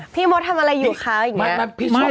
พี่มดทำอะไรอยู่คะอย่างนี้